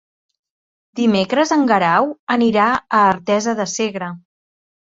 Dimecres en Guerau anirà a Artesa de Segre.